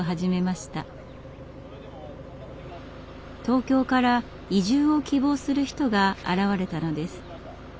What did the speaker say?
東京から移住を希望する人が現れたのです。